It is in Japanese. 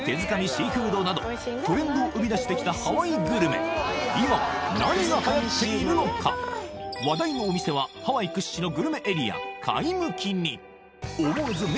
シーフードなどトレンドを生みだしてきたハワイグルメ話題のお店はハワイ屈指のグルメエリア